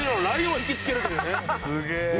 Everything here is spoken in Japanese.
すげえ